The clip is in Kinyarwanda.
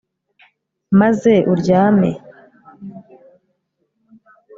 maze uryame